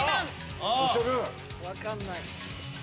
わかんない。